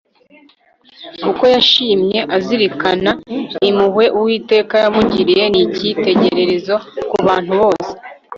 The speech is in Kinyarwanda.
uko yashimye azirikana impuhwe uwiteka yamugiriye ni icyitegererezo ku bantu bose